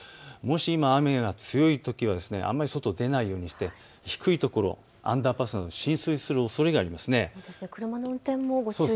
雨が強いときはあまり外に出ないように低いところ、アンダーパスなど浸水するおそれがあります。